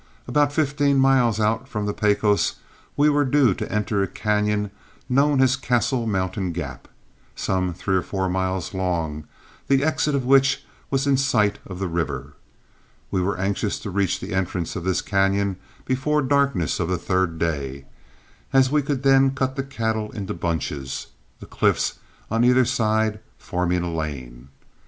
About fifteen miles out from the Pecos we were due to enter a cañon known as Castle Mountain Gap, some three or four miles long, the exit of which was in sight of the river. We were anxious to reach the entrance of this cañon before darkness on the third day, as we could then cut the cattle into bunches, the cliffs on either side forming a lane.